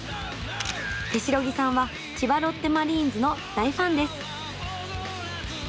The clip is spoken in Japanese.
手代木さんは千葉ロッテマリーンズの大ファンです。